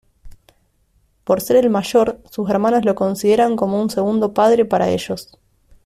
Por ser el mayor, sus hermanos lo consideran como un segundo padre para ellos.